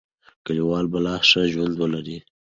کلیوال به لا ښه ژوند ولري.